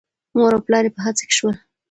مور او پلار یې په هڅه کې شول.